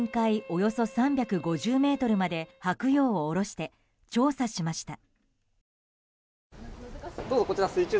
およそ３５０ｍまで「はくよう」を下ろして調査しました。